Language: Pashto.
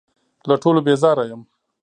له ټولو بېزاره یم .